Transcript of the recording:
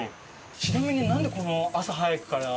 ちなみになんでこの朝早くから？